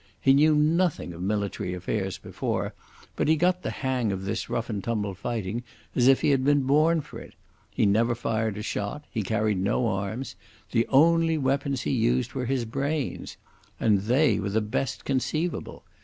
He knew nothing of military affairs before, but he got the hang of this rough and tumble fighting as if he had been born for it. He never fired a shot; he carried no arms; the only weapons he used were his brains. And they were the best conceivable.